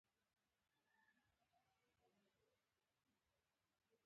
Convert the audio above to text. دغو اوغانانو ته د مغولو په سترګه نه ګوري.